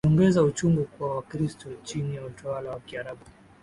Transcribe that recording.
viliongeza uchungu kwa Wakristo chini ya utawala wa Kiarabu